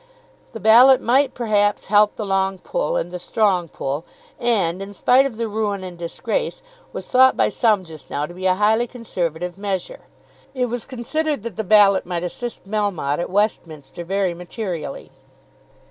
The Ballot might perhaps help the long pull and the strong pull, and, in spite of the ruin and disgrace, was thought by some just now to be a highly Conservative measure. It was considered that the Ballot might assist Melmotte at Westminster very materially.